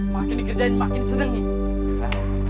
makin dikerjain makin seneng nih